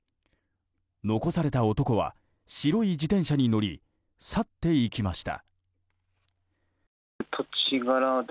残された男は白い自転車に乗り去っていきました。